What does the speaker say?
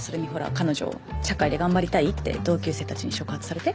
彼女社会で頑張りたいって同級生たちに触発されて？